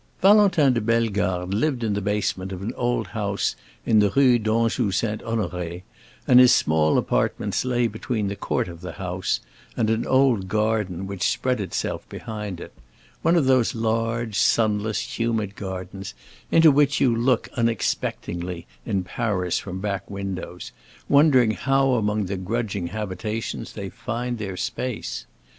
Valentin de Bellegarde lived in the basement of an old house in the Rue d'Anjou St. Honoré, and his small apartments lay between the court of the house and an old garden which spread itself behind it—one of those large, sunless humid gardens into which you look unexpectingly in Paris from back windows, wondering how among the grudging habitations they find their space.